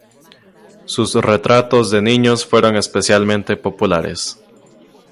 Sus retratos de niños fueron especialmente populares.